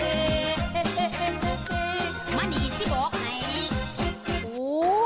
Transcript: อู้ว